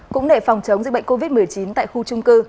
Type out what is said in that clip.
cũng để phòng chống dịch bệnh covid một mươi chín tại khu trung cư